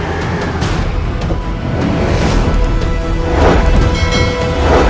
intimu akan telah terlempar